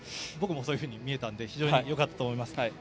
僕もそういうふうに見えたので非常に良かったと思います。